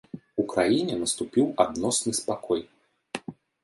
У краіне наступіў адносны спакой.